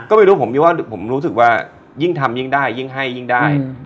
ก็ไม่รู้ผมมีว่าผมรู้สึกว่ายิ่งทำยิ่งได้ยิ่งให้ยิ่งได้